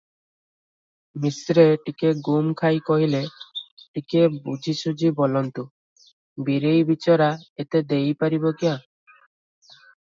ମିଶ୍ରେ ଟିକିଏ ଗୁମ୍ ଖାଇ କହିଲେ, ଟିକିଏ ବୁଝିସୁଝି ବୋଲନ୍ତୁ, ବୀରେଇ ବିଚରା ଏତେ ଦେଇ ପାରିବ କ୍ୟାଁ?